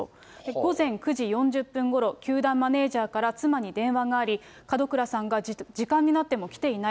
午前９時４０分ごろ、球団マネージャーから妻に電話があり、門倉さんが時間になっても来ていない。